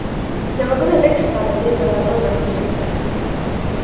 Ja ka kõne tekst saadeti õigel ajal toimetustesse.